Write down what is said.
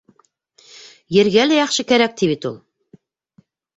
Ергә лә яҡшы кәрәк ти бит ул...